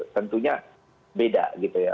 tentunya beda gitu ya